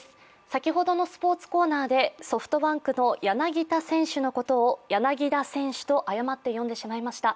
先ほどのスポーツコーナーで、ソフトバンクのやなぎた選手のことをやなぎだ選手と誤って読んでしまいました。